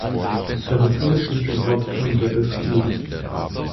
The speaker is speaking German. Er befindet sich im Hauptkamm der Beskiden.